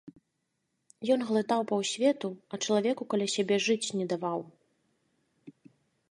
Ён глытаў паўсвету, а чалавеку каля сябе жыць не даваў.